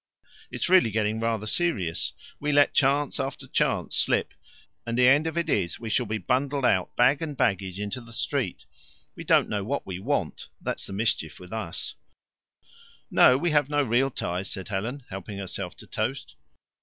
It's really getting rather serious. We let chance after chance slip, and the end of it is we shall be bundled out bag and baggage into the street. We don't know what we WANT, that's the mischief with us " "No, we have no real ties," said Helen, helping herself to toast.